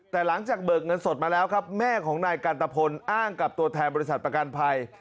แต่หลังจากเบิกเงินสดมาแล้วครับแม่ของนายกันตะพลอ้างกับตัวแทนบริษัทประกันภัย